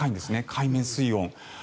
海面水温。